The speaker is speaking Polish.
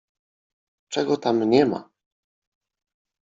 Czego tam nie ma!